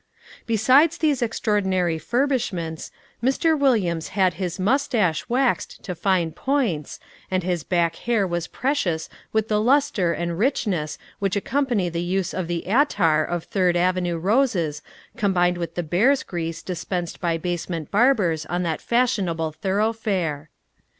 Besides these extraordinary furbishments, Mr. Williams had his mustache waxed to fine points and his back hair was precious with the luster and richness which accompany the use of the attar of Third Avenue roses combined with the bear's grease dispensed by basement barbers on that fashionable thoroughfare.